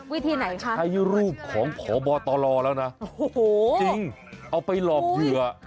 วิธีไหนคะใช้รูปของพบตรแล้วนะโอ้โหจริงเอาไปหลอกเหยื่อ